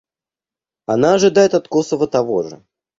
Она ожидает от Косово того же.